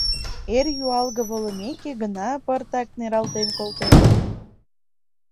Эр юалге волымеке гына пыртак нералтен колтен.